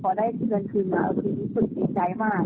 ก็เลยพอได้เงินคืนคืนสุดดีใจมาก